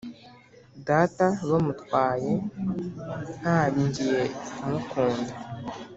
data bamutwaye ntangiye kumukunda